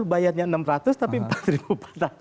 bayarnya rp enam ratus tapi rp empat empat ratus